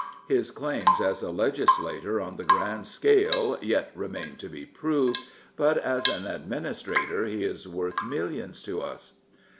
His claims as a legislator on the grand scale yet remain to be proved; but as an administrator he is worth millions to us.